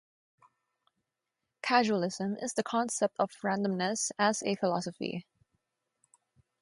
Casualism is the concept of randomness as a philosophy.